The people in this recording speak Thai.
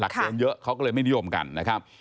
เขาก็เลยไม่นิยมกันนะครับ